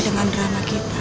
dengan rahmah kita